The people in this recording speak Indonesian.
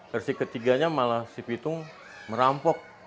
versi ketiganya malah si pitung merampok